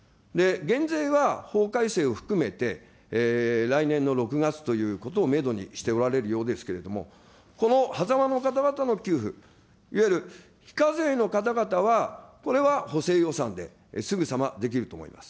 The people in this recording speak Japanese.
減税は法改正を含めて、来年の６月ということをメドにしておられるようですけれども、この狭間の方々の給付、いわゆる非課税の方々は、これは補正予算ですぐさまできると思います。